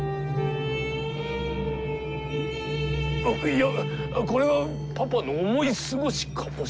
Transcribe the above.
いやこれはパパの思い過ごしかも。